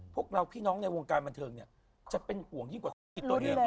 พวกเราพี่น้องในวงการบันเทิงเนี่ยจะเป็นห่วงยิ่งกว่าธุรกิจตัวเอง